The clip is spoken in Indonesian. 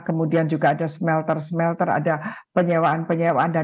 kemudian juga ada smelter smelter ada penyewaan penyewaan dan lain lain